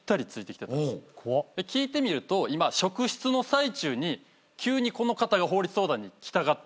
聞いてみると今職質の最中に急にこの方が法律相談に来たがった。